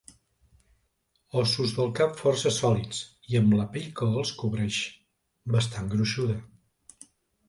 Ossos del cap força sòlids i amb la pell que els recobreix bastant gruixuda.